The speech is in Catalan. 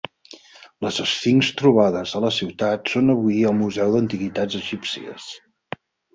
Les esfinxs trobades a la ciutat són avui al Museu d'Antiguitats Egípcies.